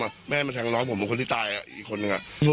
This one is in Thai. ไม่ให้มันแทงน้องผมคนที่ตายอ่ะอีกคนอ่ะ